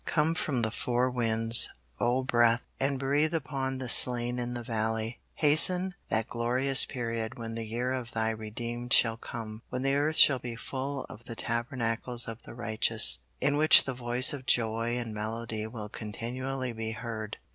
Come from the four winds, O Breath, and breathe upon the slain in the valley! Hasten that glorious period when the year of Thy redeemed shall come, when the earth shall be full of the tabernacles of the righteous, in which the voice of joy and melody will continually be heard!